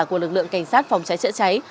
của lực lượng cảnh sát phòng cháy chữa cháy